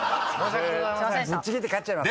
ぶっちぎって勝っちゃいます。